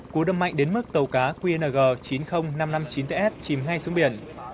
cú đâm mạnh đến mức tàu cá qng chín mươi nghìn năm trăm năm mươi chín ts chìm ngay xuống biển